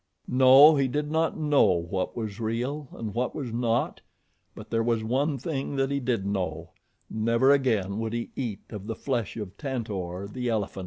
No, he did not know what was real and what was not; but there was one thing that he did know never again would he eat of the flesh of Tantor, the elephant.